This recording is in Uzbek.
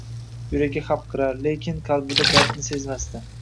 Yuragi xapriqar, lekin qalbida dardni sezmasdi